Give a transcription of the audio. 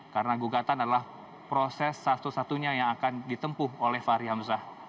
karena gugatan adalah proses satu satunya yang akan ditempuh oleh fahri hamzah